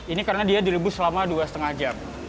ini karena dia direbus selama dua lima jam